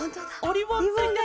リボンがついてる。